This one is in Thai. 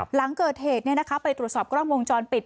หลังเกิดเหตุไปตรวจสอบกล้องวงจรปิด